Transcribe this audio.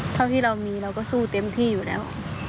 เท่าที่เรามีเราก็สู้เต็มที่อยู่แล้ว